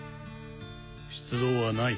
出動はない。